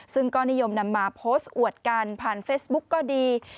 ซึ่งก็นิยมนำมาโพสต์อวดกันผ่านเฟซบุ๊กก็ดี